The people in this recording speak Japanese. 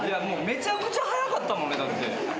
めちゃくちゃ早かったもんね。